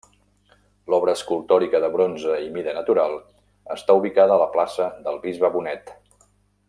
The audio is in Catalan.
L'obra escultòrica de bronze i mida natural està ubicada a la plaça del bisbe Bonet.